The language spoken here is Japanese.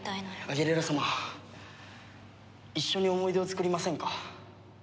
アギレラ様一緒に思い出を作りませんか？